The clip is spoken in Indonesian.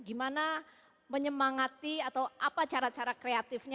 gimana menyemangati atau apa cara cara kreatifnya